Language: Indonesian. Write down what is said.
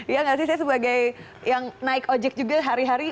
iya nggak sih saya sebagai yang naik ojek juga hari hari